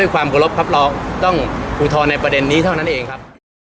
ความเคารพครับเราต้องอุทธรณ์ในประเด็นนี้เท่านั้นเองครับ